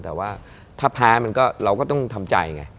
แต่ว่าถ้าแพ้มันก็เราก็ต้องทำใจไง